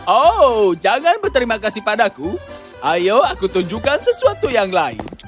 oh jangan berterima kasih padaku ayo aku tunjukkan sesuatu yang lain